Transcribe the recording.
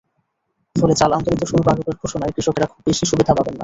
ফলে চাল আমদানিতে শুল্ক আরোপের ঘোষণায় কৃষকেরা খুব বেশি সুবিধা পাবেন না।